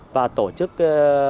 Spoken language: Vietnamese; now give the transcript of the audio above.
và tổ chức cái